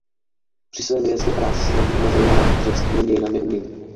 Při své vědecké práci se zabýval zejména řeckými dějinami umění.